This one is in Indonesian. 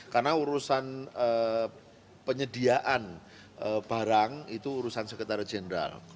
karena urusan penyediaan barang itu urusan sekretaris jenderal